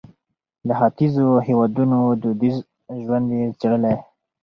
د ختیځو هېوادونو دودیز ژوند یې څېړلی.